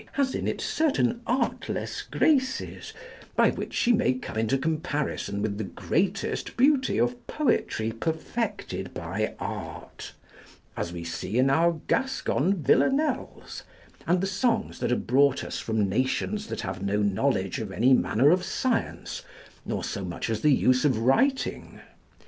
] has in it certain artless graces, by which she may come into comparison with the greatest beauty of poetry perfected by art: as we see in our Gascon villanels and the songs that are brought us from nations that have no knowledge of any manner of science, nor so much as the use of writing.